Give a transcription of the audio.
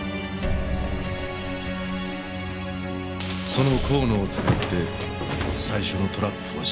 その甲野を使って最初のトラップを仕掛けました。